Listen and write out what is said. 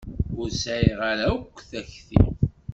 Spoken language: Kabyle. Ur sɛiɣ ara akk takti.